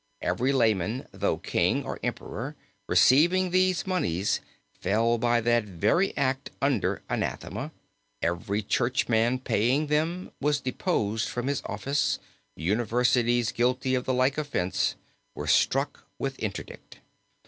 Every layman, though king or emperor, receiving these moneys fell by that very act under anathema; every churchman paying them was deposed from his office; universities guilty of the like offense were struck with interdict.